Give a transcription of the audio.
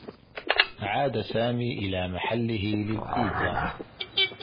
عاد سامي إلى محلّه للبيتزا.